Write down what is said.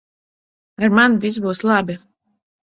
Ar mani viss būs labi.